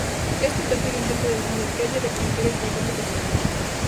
Este é o terceiro intento de Bernáldez Quelle de cometer este auténtico pelotazo.